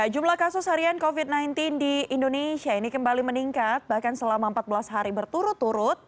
jumlah kasus harian covid sembilan belas di indonesia ini kembali meningkat bahkan selama empat belas hari berturut turut